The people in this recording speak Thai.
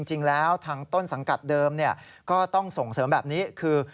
จริงแล้วทางต้นสังกัดเดิมก็ต้องส่งเสริมแบบนี้คือ